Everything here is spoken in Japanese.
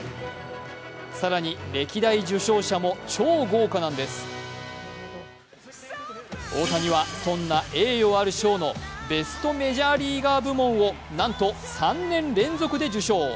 更に、歴代受賞者も超豪華なんです大谷は、そんな栄誉ある賞のベストメジャーリーガー部門をなんと３年連続で受賞。